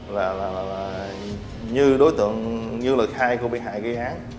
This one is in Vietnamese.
là như đối tượng như là khai của bị hại ghi án